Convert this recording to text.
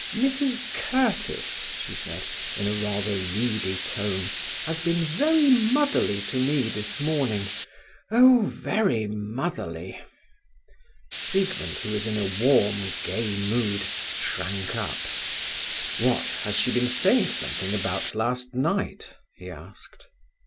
"Mrs Curtiss," she said, in rather reedy tone, "has been very motherly to me this morning; oh, very motherly!" Siegmund, who was in a warm, gay mood, shrank up. "What, has she been saying something about last night?" he asked.